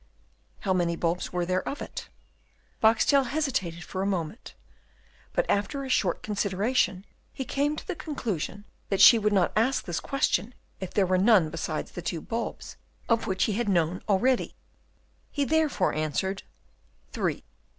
"How many bulbs were there of it?" Boxtel hesitated for a moment, but after a short consideration he came to the conclusion that she would not ask this question if there were none besides the two bulbs of which he had known already. He therefore answered, "Three."